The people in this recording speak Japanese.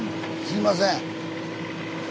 すいません。